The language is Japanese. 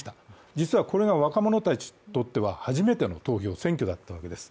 実はこれが若者たちにとっては初めての投票、選挙だったわけです